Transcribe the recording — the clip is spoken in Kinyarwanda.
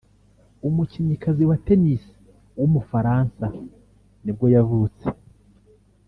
umukinnyikazi wa tennis w’umufaransa nibwo yavutse